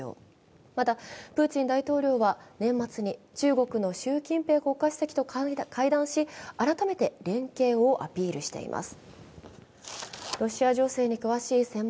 また、プーチン大統領は年末に中国の習近平国家主席と会談し、改めて連携をアピールしています。